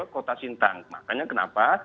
kota sintang makanya kenapa